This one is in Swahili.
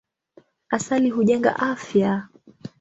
Asali hujenga afya.